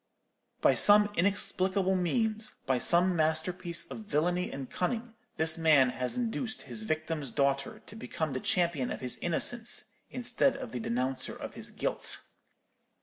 By some inexplicable means, by some masterpiece of villany and cunning, this man has induced his victim's daughter to become the champion of his innocence, instead of the denouncer of his guilt.